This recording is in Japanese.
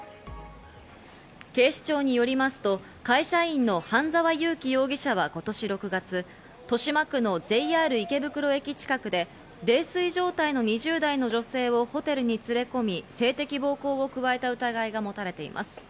警視庁によりますと、会社員の半沢悠貴容疑者は今年６月豊島区のＪＲ池袋駅近くで泥酔状態の２０代の女性をホテルに連れ込み、性的暴行を加えた疑いがもたれています。